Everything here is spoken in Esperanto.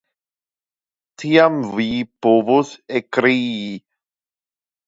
Tiam vi povos ekkrii.